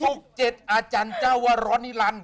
ศุกร์เจ็ดอาจารย์เจ้าวรรณิรันดร์